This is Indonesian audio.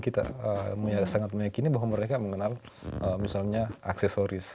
kita sangat meyakini bahwa mereka mengenal misalnya aksesoris